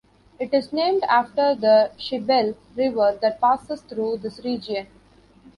It is named after the Shebelle River that passes through this region.